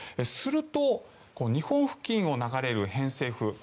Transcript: すると、日本付近を流れる偏西風